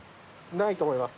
ないと思います。